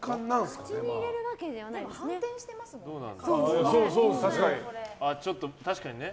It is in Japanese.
口に入れるわけじゃないんですね。